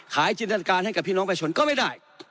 จินตนาการให้กับพี่น้องประชาชนก็ไม่ได้